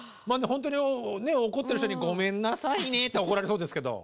ほんとに怒ってる人にごめんなさいねって言ったら怒られそうですけど。